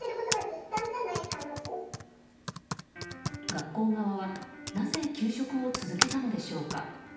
学校側はなぜ給食を続けたのでしょうか。